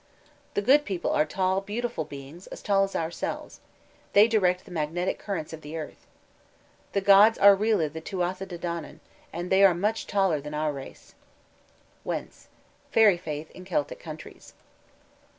The Good People are tall, beautiful beings, as tall as ourselves.... They direct the magnetic currents of the earth. The Gods are really the Tuatha De Danann, and they are much taller than our race.'" WENTZ: _Fairy faith in Celtic Countries.